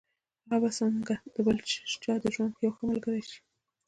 هغه به څنګه د بل چا د ژوند يوه ښه ملګرې شي.